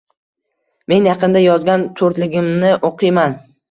Men yaqinda yozgan to’rtligimnii o’qiyman: